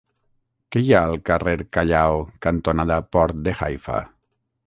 Què hi ha al carrer Callao cantonada Port de Haifa?